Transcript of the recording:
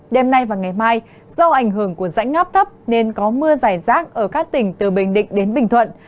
đêm nay và ngày mai do ảnh hưởng của rãnh ngắp thấp nên có mưa dài rác ở các tỉnh từ bình định đến bình thuận